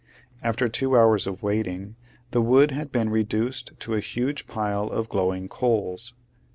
After two hours of waiting the wood had been reduced to a huge pile of glowing coals.